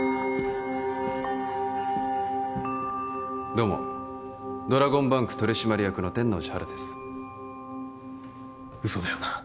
どうもドラゴンバンク取締役の天王寺陽です嘘だよな